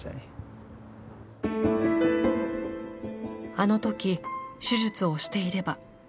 あのとき手術をしていれば。